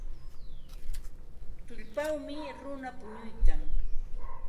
Tullpawmi runa punuykan.